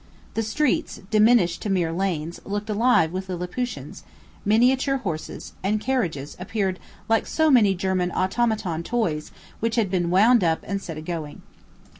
The streets, diminished to mere lanes, looked alive with Lilliputians; miniature horses and carriages appeared like so many German automaton toys which had been wound up and set a going.